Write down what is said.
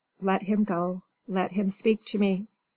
Let him go: let him speak to me."